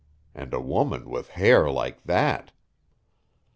And a woman with hair like that!